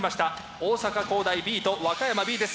大阪公大Ｂと和歌山Ｂです。